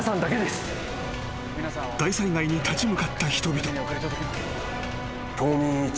［大災害に立ち向かった人々］